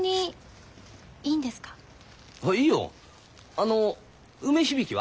あの梅響は？